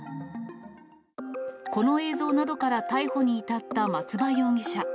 この映像などから逮捕に至った松葉容疑者。